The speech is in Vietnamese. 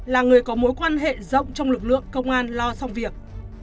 là người có mối quan hệ rộng trong lực lượng công an lo xong việc